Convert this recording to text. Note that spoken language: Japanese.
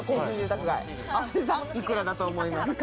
幾らだと思いますか？